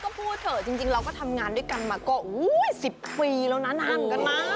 ก็พูดเถอะจริงเราก็ทำงานด้วยกันมาก็๑๐ปีแล้วนะห่างกันมาก